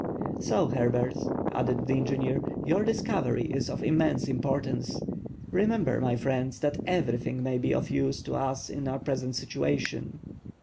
"So, Herbert," added the engineer, "your discovery is of immense importance. Remember, my friends, that everything may be of use to us in our present situation."